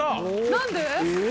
何で？